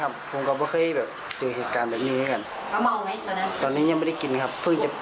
กำลังจะไปแม่งครับ